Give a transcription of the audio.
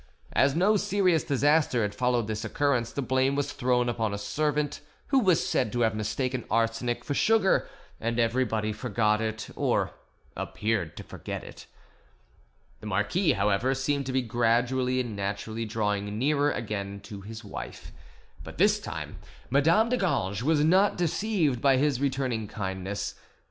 As no serious disaster had followed this occurrence, the blame was thrown upon a servant, who was said to have mistaken arsenic for sugar, and everybody forgot it, or appeared to forget it. The marquis, however, seemed to be gradually and naturally drawing nearer again to his wife; but this time Madame de Ganges was not deceived by his returning kindness.